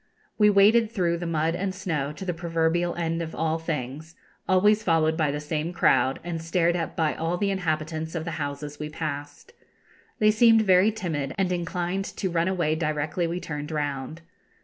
We waded through the mud and snow to the proverbial end of all things, always followed by the same crowd, and stared at by all the inhabitants of the houses we passed. They seemed very timid, and inclined to run away directly we turned round.